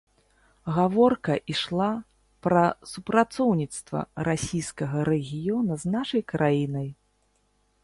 Гаворка ішла пра супрацоўніцтва расійскага рэгіёна з нашай краінай.